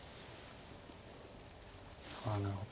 あなるほど。